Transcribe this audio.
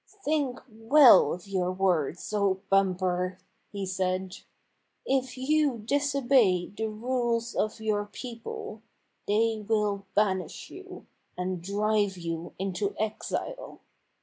"Think well of your words, O Bumper!" he said. " If you disobey the rules of your people, they will banish you, and drive you into exile.